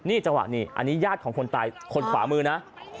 นี่จังหวะนี้อันนี้ญาติของคนตายคนขวามือนะ